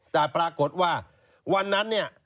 แต่ปรากฏว่าวันนั้นเนี่ย